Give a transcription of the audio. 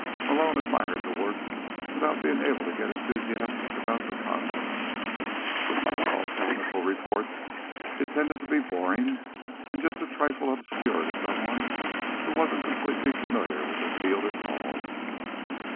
Malone admired the work, without being able to get enthusiastic about the contents. Like all technical reports, it tended to be boring and just a trifle obscure to someone who wasn't completely familiar with the field involved.